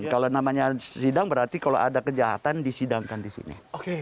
kalau namanya sidang berarti kalau ada kejahatan disidangkan di sini